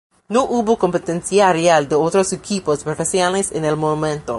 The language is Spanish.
No hubo competencia real de otros equipos profesionales en el momento.